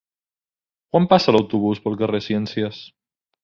Quan passa l'autobús pel carrer Ciències?